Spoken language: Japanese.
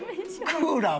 クーラー